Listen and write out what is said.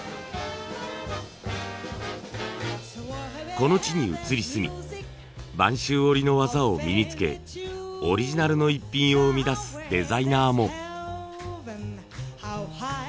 この地に移り住み播州織の技を身につけオリジナルのイッピンを生み出すデザイナーも。